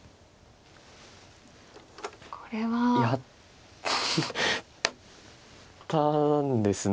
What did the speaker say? これは。やったんですね。